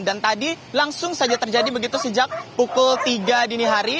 dan tadi langsung saja terjadi begitu sejak pukul tiga dini hari